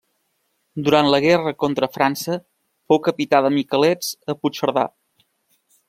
Durant la guerra contra França fou capità de miquelets a Puigcerdà.